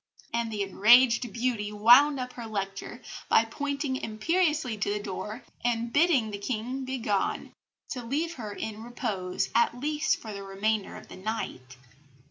And the enraged beauty wound up her lecture by pointing imperiously to the door and bidding the King begone, "to leave her in repose, at least for the remainder of the night."